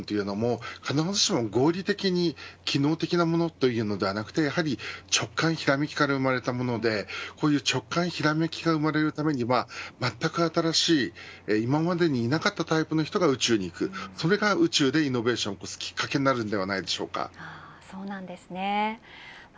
アップルのｉＰｈｏｎｅも必ずしも合理的に機能的なものというものではなくて直感やひらめきから生まれたものでこういった直感やひらめきが生まれるためにはまったく新しい今までになかったタイプの人が宇宙に行くそれが宇宙でイノベーションを起こすきっかけになるのではないでしょうか。